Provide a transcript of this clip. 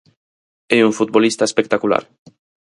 É un futbolista espectacular.